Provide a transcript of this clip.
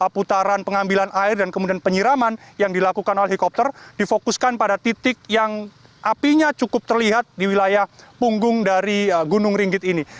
putaran pengambilan air dan kemudian penyiraman yang dilakukan oleh helikopter difokuskan pada titik yang apinya cukup terlihat di wilayah punggung dari gunung ringgit ini